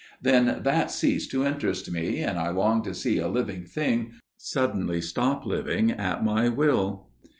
Then that ceased to interest me, and I longed to see a living thing suddenly stop living at my will.